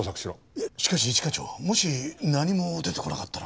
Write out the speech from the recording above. いやしかし一課長もし何も出てこなかったら。